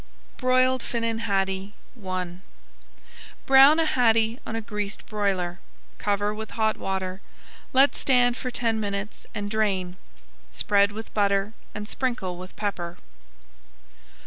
BROILED FINNAN HADDIE I Brown a haddie on a greased broiler. Cover with hot water, let stand for ten minutes and drain. Spread with butter and sprinkle with pepper.